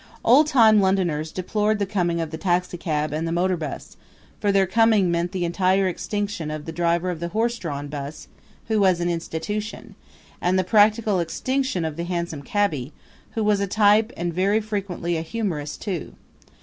Oldtime Londoners deplored the coming of the taxicab and the motorbus, for their coming meant the entire extinction of the driver of the horse drawn bus, who was an institution, and the practical extinction of the hansom cabby, who was a type and very frequently a humorist too.